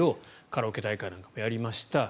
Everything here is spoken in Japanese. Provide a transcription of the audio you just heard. カラオケ大会などやりました。